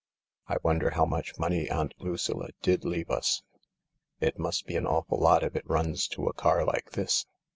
I wonder how much money Aunt Lucilla did leave us ? It must be an awful lot if it runs to a car like this."